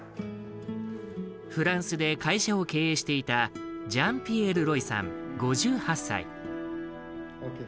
フランスで会社を経営していたジャン＝ピエール・ロイさん５８歳。